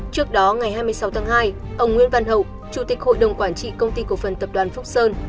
trước đó ngày hai mươi sáu tháng hai ông nguyễn văn hậu chủ tịch hội đồng quản trị công ty cổ phần tập đoàn phúc sơn